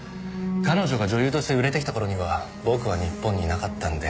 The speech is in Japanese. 彼女が女優として売れてきた頃には僕は日本にいなかったんで。